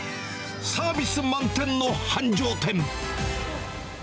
サービス満点の繁盛店。